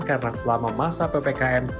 karena selama masa ppkm